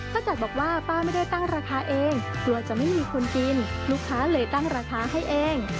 จัดบอกว่าป้าไม่ได้ตั้งราคาเองกลัวจะไม่มีคนกินลูกค้าเลยตั้งราคาให้เอง